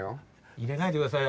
入れないで下さいよ